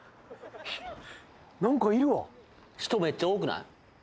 人めっちゃ多くない？